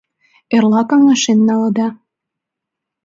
— Эрла каҥашен налыда.